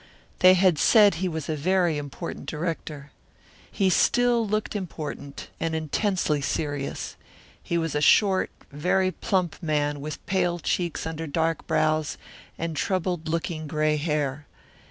They had said he was a very important director. He still looked important and intensely serious. He was a short, very plump man, with pale cheeks under dark brows, and troubled looking gray hair.